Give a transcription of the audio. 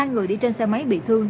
ba người đi trên xe máy bị thương